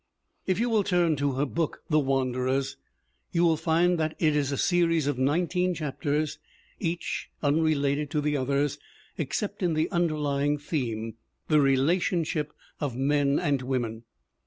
If you will turn to her book The Wanderers you will find that it is a series of nineteen chapters, each unrelated to the others except in the underlying theme, the relationship of men and women.